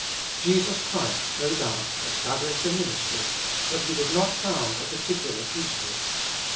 Jesus Christ, no doubt, established a ministry, but he did not found a particular priesthood.